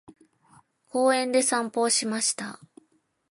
公園で散歩をしました。